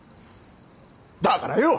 だからよ！